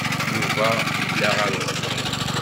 Yuba yedda ɣer uxeddim.